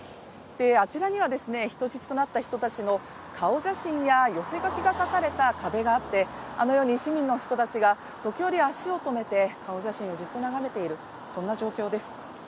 あちらには人質となった人たちの顔写真や寄せ書きが書かれた壁があってあのように市民の人たちが、時折足を止めて顔写真をじっと眺めているそんな状況です。